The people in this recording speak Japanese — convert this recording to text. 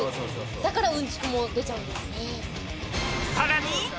だからうんちくも出ちゃうんですね。